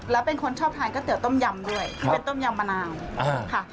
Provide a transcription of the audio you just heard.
แล้วเป็นคนชอบทานก๋วเตี๋ยต้มยำด้วยที่เป็นต้มยำมะนาวค่ะ